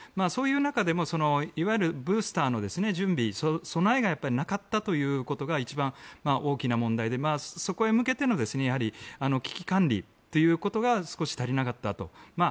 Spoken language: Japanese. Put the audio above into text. そういう中でもいわゆるブースターの準備備えがなかったということが一番大きな問題でそこへ向けての危機管理ということが少し足りなかったと。